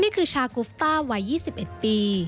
นี่คือชากุฟต้าไวร์๒๑ปี